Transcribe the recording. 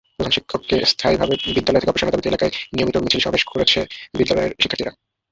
প্রধান শিক্ষককে স্থায়ীভাবে বিদ্যালয় থেকে অপসারণের দাবিতে এলাকায় নিয়মিত মিছিল-সমাবেশ করছে বিদ্যালয়ের শিক্ষার্থীরা।